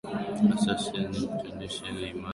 Acacia nilotica ni mmea wa supu unaotumika mara nyingi